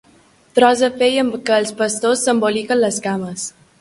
Tros de pell amb què els pastors s'emboliquen les cames.